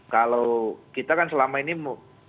kalau kita kan selama ini